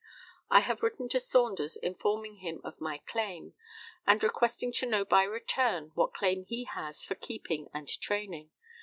"I have written to Saunders, informing him of my claim, and requesting to know by return what claim he has for keep and training.